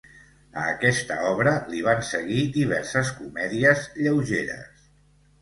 A aquesta obra li van seguir diverses comèdies lleugeres.